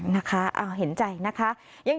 นะคะเห็นใจนะคะ